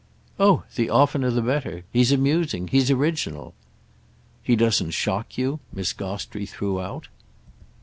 "Oh the oftener the better: he's amusing—he's original." "He doesn't shock you?" Miss Gostrey threw out.